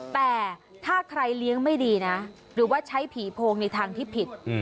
แต่ถ้าใครเลี้ยงไม่ดีนะหรือว่าใช้ผีโพงในทางที่ผิด